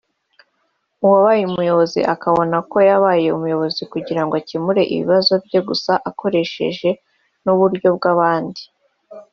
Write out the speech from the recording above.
uwabaye umuyobozi akabona ko yabaye umuyobozi kugira ngo akemure ibibazo bye gusa akoresheje n’uburyo bw’abandi